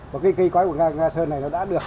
và cái cây cói của ga sơn này nó đã được